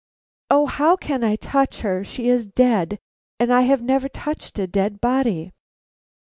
"O how can I touch her! She is dead, and I have never touched a dead body."